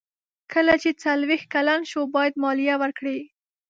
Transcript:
کله چې څلویښت کلن شو باید مالیه ورکړي.